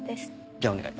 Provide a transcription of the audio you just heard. じゃあお願い。